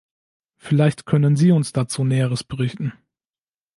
Vielleicht können Sie uns dazu Näheres berichten?